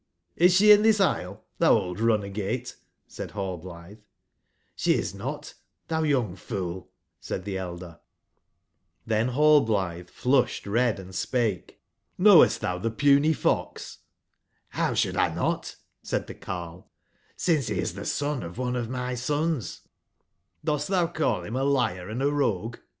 "Is sbe in tbis Isle, tbou old runagate ?" said nallblitbe j^"Sbe is not, tbou young fool," said tbc cider j^ Tlbcn Hallblitbe fiusbed red and spake: "Knowest dz 35 tboii tbcpuny f ox?*' '' How should I not?" said tbc carle, since be is tbe son of one of my sons/' Dost tbou call bim a liar and a rogue?"